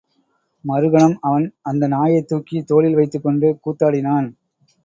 மறுகணம் அவன் அந்த நாயைத் தூக்கித் தோளில் வைத்துக் கொண்டு கூத்தாடினான்.